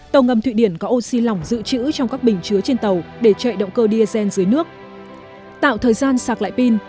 tàu ngầm thụy điển có oxy lỏng dự trữ trong các bình chứa trên tàu để chạy động cơ diesel dưới nước tạo thời gian sạc lại pin